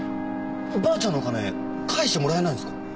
ばあちゃんの金返してもらえないんですか？